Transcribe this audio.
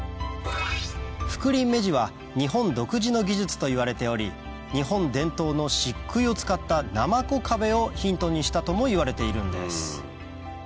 覆輪目地は日本独自の技術といわれており日本伝統のしっくいを使ったなまこ壁をヒントにしたともいわれているんです